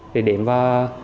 để điểm và